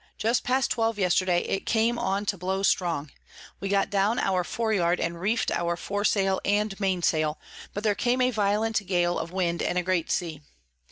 _ Just past twelve Yesterday it came on to blow strong: We got down our Fore Yard, and reef'd our Fore Sail and Main Sail; but there came on a violent Gale of Wind, and a great Sea.